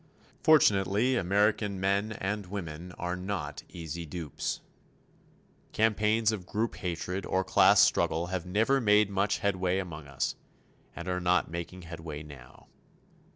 Fortunately, American men and women are not easy dupes. Campaigns of group hatred or class struggle have never made much headway among us, and are not making headway now.